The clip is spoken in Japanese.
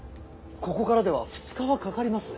ここからでは２日はかかります。